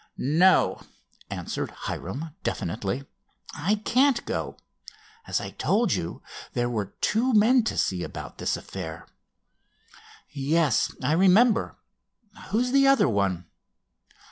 "No," answered Hiram definitely, "I can't go. As I told you, there were two men to see about this affair." "Yes, I remember. Who is the other one?"